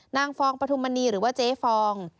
นางฟองปธุมณีหรือว่าเจฟอง